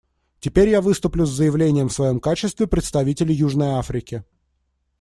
Теперь я выступлю с заявлением в своем качестве представителя Южной Африки.